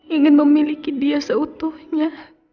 ingin memiliki dia seutuhnya